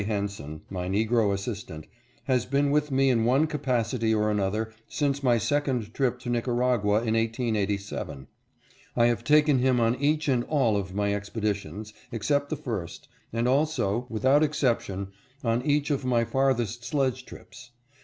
Henson, my Negro assistant, has been with me in one capacity or another since my second trip to Nicaragua in 1887. I have taken him on each and all of my expeditions, except the first, and also without exception on each of my farthest sledge trips.